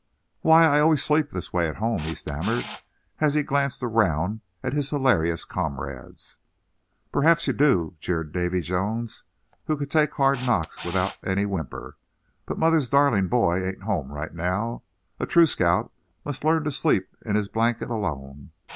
"Why, I always sleep this way at home," he stammered, as he glanced around at his hilarious comrades. "Perhaps you do," jeered Davy Jones, who could take hard knocks without any whimper; "but mother's darling boy ain't home right now. A true scout must learn to sleep in his blanket alone.